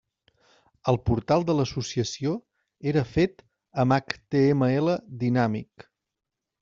El portal de l'Associació era fet amb HTML dinàmic.